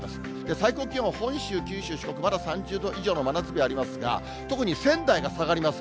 最高気温は本州、九州、四国、まだ３０度以上の真夏日になりますが、特に仙台が下がります。